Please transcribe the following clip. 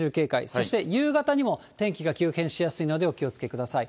そして夕方にも天気が急変しやすいので、お気をつけください。